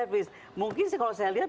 lip service mungkin kalau saya lihat